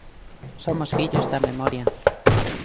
Somos fillos da memoria.